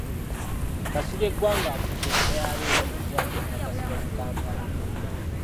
Kasirye Gwanga afudde enkya ya leero mu ddwaliro e Nakasero mu Kampala.